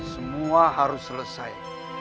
semua harus selesai